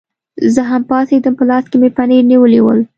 زه هم پاڅېدم، په لاس کې مې پنیر نیولي ول.